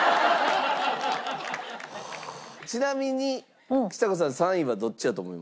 ちなみにちさ子さん３位はどっちやと思います？